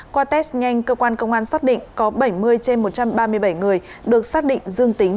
qua test nhanh cơ quan công an xác định có bảy mươi trên một trăm ba mươi bảy người được xác định dương tính